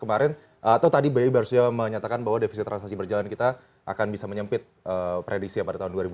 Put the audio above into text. atau tadi bayi barusnya menyatakan bahwa defisi transaksi berjalan kita akan bisa menyempit predisi pada tahun dua ribu dua puluh